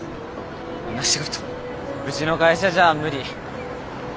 んな仕事うちの会社じゃ無理。